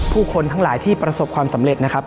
ผู้คนทั้งหลายที่ประสบความสำเร็จนะครับ